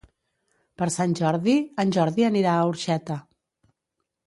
Per Sant Jordi en Jordi anirà a Orxeta.